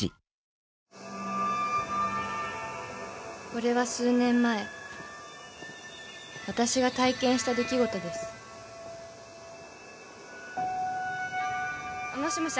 ［これは数年前私が体験した出来事です］もしもし。